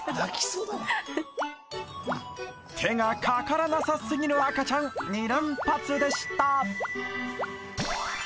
そうだわ手がかからなさすぎの赤ちゃん２連発でした